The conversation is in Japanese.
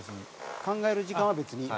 「考える時間は別に大丈夫？」